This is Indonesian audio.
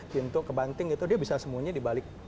pintu kebanting itu dia bisa sembunyi di balik